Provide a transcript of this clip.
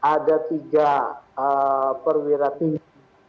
ada tiga perwira tinggi